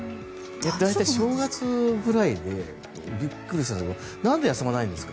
大体、正月ぐらいでびっくりしたんですけどなんで休まないんですか？